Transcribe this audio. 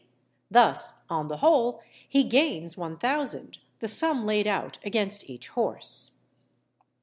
Thus, on the whole, he gains 1000_l._, the sum laid out against each horse.